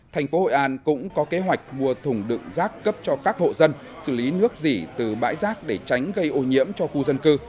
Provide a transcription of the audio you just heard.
thành phố hội an cũng có kế hoạch mua thùng đựng rác cấp cho các hộ dân xử lý nước dỉ từ bãi rác để tránh gây ô nhiễm cho khu dân cư